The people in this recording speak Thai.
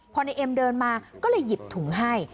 พอในเอ็มเดินมาก็เลยหยิบถุงให้